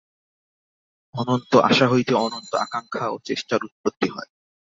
অনন্ত আশা হইতে অনন্ত আকাঙ্ক্ষা ও চেষ্টার উৎপত্তি হয়।